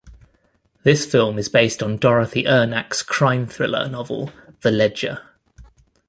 This film is based on Dorothy Uhnak's crime-thriller novel "The Ledger".